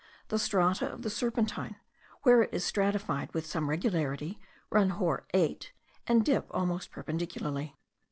The strata of the serpentine, where it is stratified with some regularity, run hor. 8, and dip almost perpendicularly.